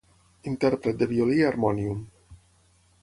Intèrpret de violí i harmònium.